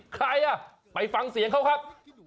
ใครอ่ะไปฟังเสียงเขาครับ